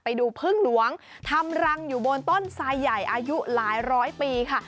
ไปดูพึ่งหลวงทำรังอยู่บนต้นทรายใหญ่อายุหลายร้อยปีค่ะ